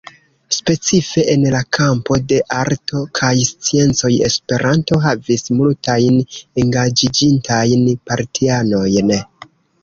Specife en la kampo de arto kaj sciencoj Esperanto havis multajn engaĝiĝintajn partianojn.